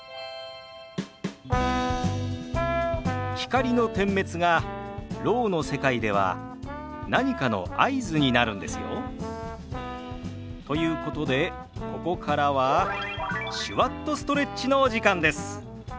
光の点滅がろうの世界では何かの合図になるんですよ。ということでここからは「手話っとストレッチ」のお時間です。